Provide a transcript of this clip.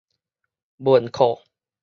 文庫